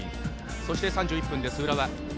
そして３１分、浦和。